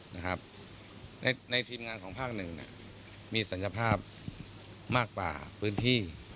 ในทีมงานของภาคหนึ่งมีศักยภาพมากกว่าพื้นที่